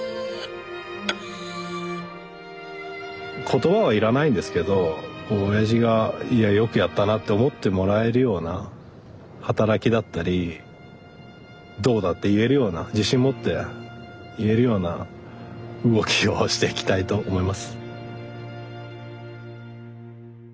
言葉は要らないんですけどおやじがいやよくやったなって思ってもらえるような働きだったりどうだって言えるような自信持って言えるような動きをしていきたいと思います。